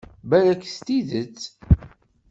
Balak d tidet.